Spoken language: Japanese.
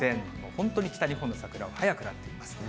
本当に北日本の桜は早くなっています。